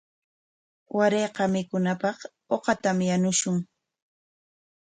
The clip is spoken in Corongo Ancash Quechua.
Warayqa mikunapaq uqatam yanushun.